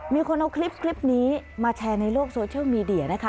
มีคนเอาคลิปนี้มาแชร์ในโลกโซเชียลมีเดียนะคะ